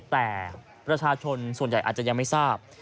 แต่ประชาชนส่วนใหญ่อาจจะยังไม่ทราบ